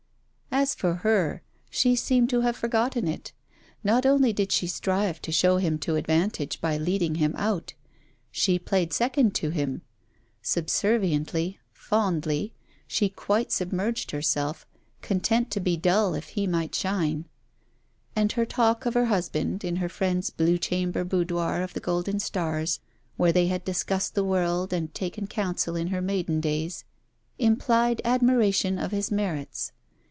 As for her, she seemed to have forgotten it. Not only did she strive to show him to advantage by leading him out; she played second to him; subserviently, fondly; she quite submerged herself, content to be dull if he might shine; and her talk of her husband in her friend's blue chamber boudoir of the golden stars, where they had discussed the world and taken counsel in her maiden days, implied admiration of his merits.